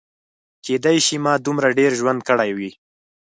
کیدای شي ما دومره ډېر ژوند کړی وي.